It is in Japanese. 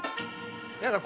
皆さん